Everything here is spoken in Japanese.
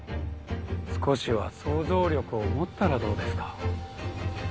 少しは想像力を持ったらどうですか？